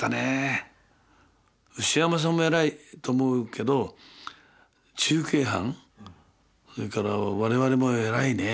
牛山さんも偉いと思うけど中継班それから我々も偉いね。